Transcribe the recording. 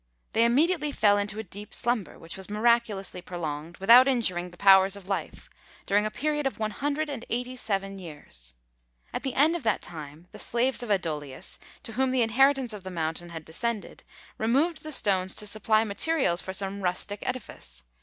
They immediately fell into a deep slumber, which was miraculously prolonged, without injuring the powers of life, during a period of one hundred and eighty seven years. At the end of that time the slaves of Adolius, to whom the inheritance of the mountain had descended, removed the stones to supply materials for some rustic edifice.